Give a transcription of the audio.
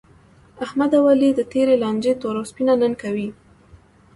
احمد او علي د تېرې لانجې توره سپینه نن کوي.